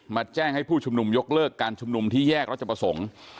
แจ้งให้ผู้ชุมนุมยกเลิกการชุมนุมที่แยกรัชประสงค์